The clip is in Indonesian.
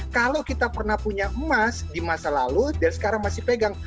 kalau kita pernah punya emas di masa lalu dan sekarang masih pegang